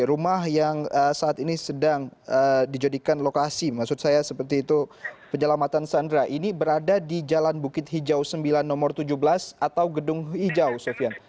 rumah yang saat ini sedang dijadikan lokasi maksud saya seperti itu penyelamatan sandra ini berada di jalan bukit hijau sembilan nomor tujuh belas atau gedung hijau sofian